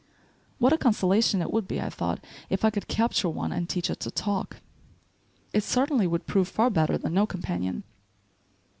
"What a consolation it would be," I thought, "if I could capture one and teach it to talk. It certainly would prove far better than no companion."